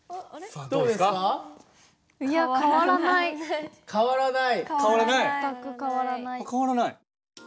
あっ変わらない？